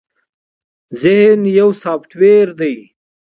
ذهن يو سافټ وئېر دے